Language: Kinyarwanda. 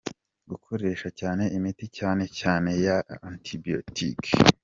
Gukoresha cyane imiti cyane cyane ya antibiyotike.